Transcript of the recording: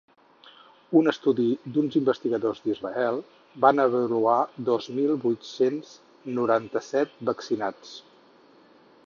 Un estudi d’uns investigadors d’Israel va avaluar dos mil vuit-cents noranta-set vaccinats.